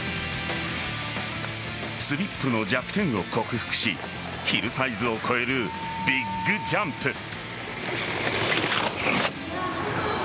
スリップの弱点を克服しヒルサイズを超えるビッグジャンプ。